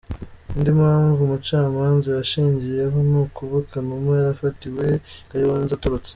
Indi mpamvu Umucamanza yashingiyeho ni ukuba Kanuma yarafatiwe i Kayonza atorotse.